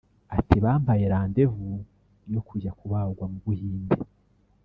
Ati “Bampaye rendez-vous yo kujya kubagwa mu Buhinde